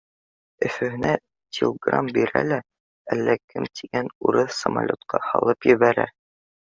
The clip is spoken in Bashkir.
Өфөһөнә тилграм бирә лә, әллә кем тигән урыҫ самолетҡа һалып ебәрә